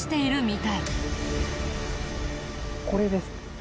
これですね。